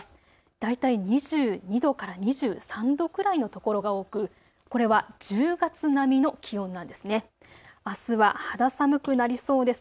大体２２度から２３度くらいの所が多くこれは１０月並みの気温なんです。